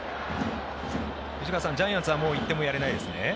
ジャイアンツはもう１点もやれないですよね。